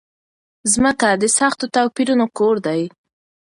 ځمکه د سختو توپيرونو کور دی.